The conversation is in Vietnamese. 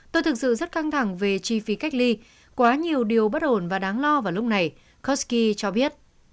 tôi thực sự rất căng thẳng về chi phí cách ly quá nhiều điều bất ổn và đáng lo vào lúc này kosky cho biết